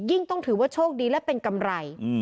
ต้องถือว่าโชคดีและเป็นกำไร